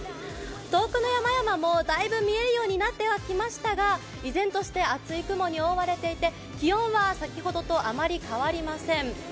遠くの山々もだいぶ見えるようになってはきましたが依然として厚い雲に覆われていて気温は先ほどとあまり変わりません。